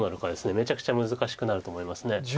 めちゃくちゃ難しくなると思います。